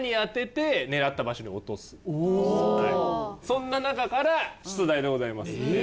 そんな中から出題でございます。